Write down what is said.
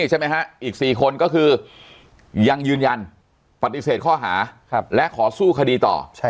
ใช่ไหมฮะอีก๔คนก็คือยังยืนยันปฏิเสธข้อหาและขอสู้คดีต่อ